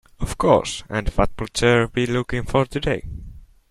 Of course, and what would sir be looking for today?